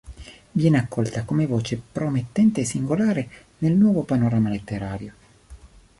Viene accolta come voce promettente e singolare nel nuovo panorama letterario.